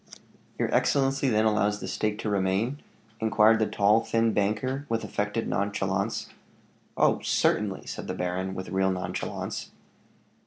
"Your excellency then allows the stake to remain?" inquired the tall, thin banker, with affected nonchalance. "Oh! certainly," said the baron, with real nonchalance.